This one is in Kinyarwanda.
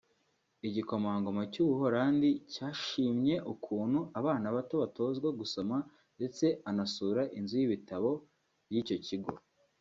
Igikomangoma cy’u Buholandi cyashimye ukuntu abana bato batozwa gusoma ndetse anasura inzu y’ibitabo y’icyo kigo